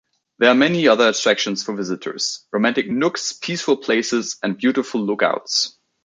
There are many other attractions for visitors: romantic nooks, peaceful places and beautiful lookouts.